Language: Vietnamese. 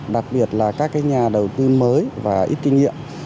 đặc biệt là các nhà đầu tư mới và ít kinh nghiệm